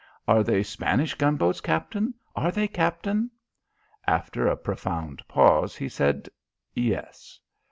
"Are they Spanish gunboats, Captain? Are they, Captain?" After a profound pause, he said: "Yes."